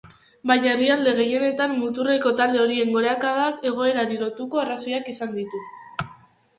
Baina herrialde gehienetan muturreko talde horien gorakadak egoerari lotutako arrazoiak izan ditu.